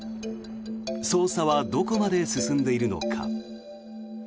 捜査はどこまで進んでいるのか。